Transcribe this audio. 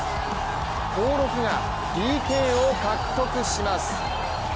興梠がＰＫを獲得します。